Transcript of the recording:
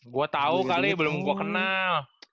gue tahu kali belum gue kenal